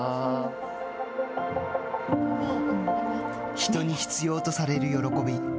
人に必要とされる喜び。